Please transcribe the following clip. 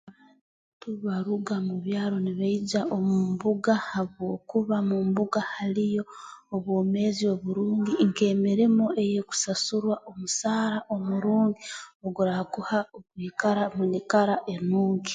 Tu baruga mu byaro nibaija omu mbuga habwokuba mu mbuga haliyo obwomeezi oburungi nk'emirimo ey'ekusasurwa omusaara omurungi oguraakuha okwikara omu nyikara enungi